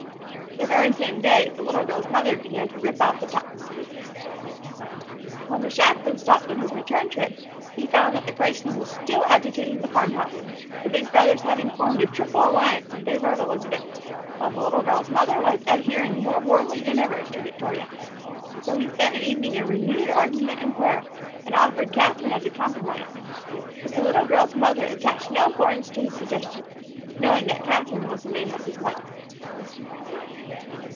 The very same day the little girl's mother began to rip out tucks. When the chaplain stopped on his return trip, he found that the christening was still agitating the farm house, the big brothers having formed a triple alliance in favor of Elizabeth, while the little girl's mother was adhering more warmly than ever to Victoria. So he spent the evening in renewed argument and prayer, and offered Catherine as a compromise. But the little girl's mother attached no importance to his suggestion, knowing that Catherine was the name of his wife.